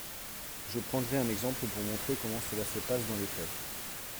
Je prendrai un exemple pour montrer comment cela se passe dans les faits.